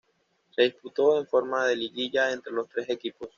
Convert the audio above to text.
Se disputó en forma de liguilla entre los tres equipos.